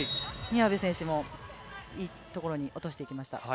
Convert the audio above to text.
宮部選手もいいところに落としていきました。